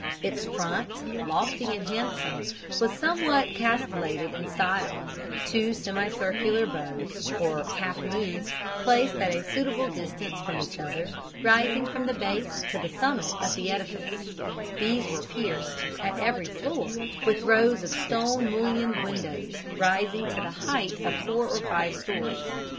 Its front, lofty and handsome, was somewhat castellated in style, two semicircular bows, or half moons, placed at a suitable distance from each other, rising from the base to the summit of the edifice; these were pierced, at every floor, with rows of stone mullioned windows, rising to the height of four or five stories.